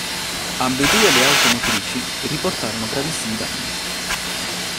Ambedue le automotrici riportarono gravissimi danni.